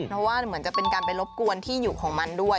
เพราะว่าเหมือนจะเป็นการไปรบกวนที่อยู่ของมันด้วย